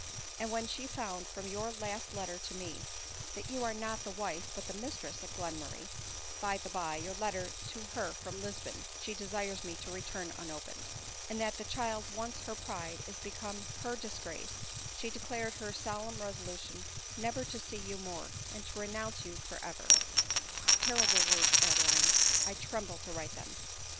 and when she found, from, your last letter to me, that you are not the wife but the mistress of Glen rriurray, (by the bye, your letter to her from Lisbon she desires me to return unopened,) and that the child once her pride is become her disgrace, she declared her solemn resolution never to see you more, and to renounce you for ever — (Terrible words, Adeline, I trertoble to write them.)